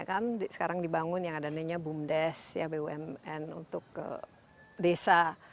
kan sekarang dibangun yang adanya bumdes untuk desa